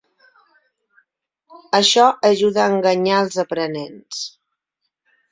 Això ajuda a enganyar els aprenents.